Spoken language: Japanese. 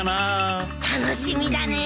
楽しみだね。